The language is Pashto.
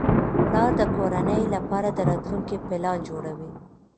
پلار د کورنۍ لپاره د راتلونکي پلان جوړوي